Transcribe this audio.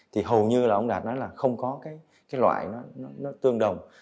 thì hầu như là ông đạt nói là không có cái loại nó tương đồng